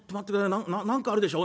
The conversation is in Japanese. な何かあるでしょ？